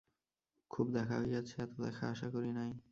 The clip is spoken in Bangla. খুব দেখা হইয়াছে–এত দেখা আশা করি নাই।